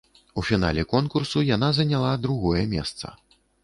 У фінале конкурсу яна заняла другое месца.